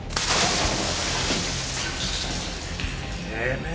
てめえ。